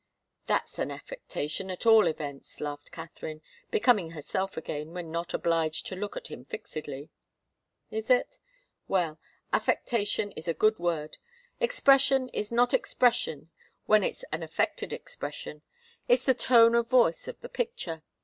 "That's an affectation, at all events!" laughed Katharine, becoming herself again when not obliged to look at him fixedly. "Is it? Well affectation is a good word. Expression is not expression when it's an affected expression. It's the tone of voice of the picture.